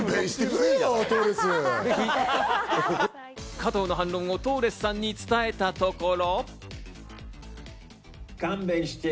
加藤の反論をトーレスさんに伝えたところ。